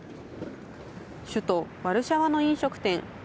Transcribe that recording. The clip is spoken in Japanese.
首都ワルシャワの飲食店。